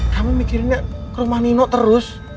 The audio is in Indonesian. kamu mikirin ya ke rumah nino terus